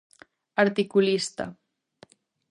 Articulista.